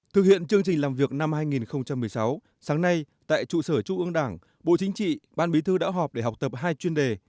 thực hiện chương trình làm việc năm hai nghìn một mươi sáu sáng nay tại trụ sở trung ương đảng bộ chính trị ban bí thư đã họp để học tập hai chuyên đề